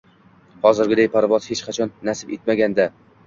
hozirgiday parvoz hech qachon nasib etmagandi.